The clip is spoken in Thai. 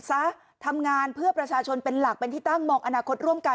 ซะทำงานเพื่อประชาชนเป็นหลักเป็นที่ตั้งมองอนาคตร่วมกัน